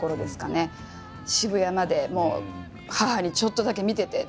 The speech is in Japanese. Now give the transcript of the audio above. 渋谷までもう母に「ちょっとだけ見てて」って。